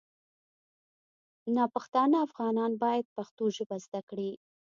ناپښتانه افغانان باید پښتو ژبه زده کړي